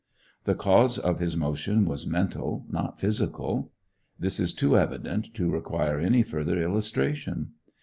The cause of his motion was mental, not physical. This is too evident to require any further illustration.